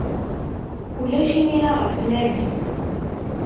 Ulac imra ɣef tnarit.